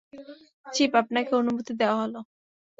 Chief, আপনাকে অনুমতি দেয়া হলো।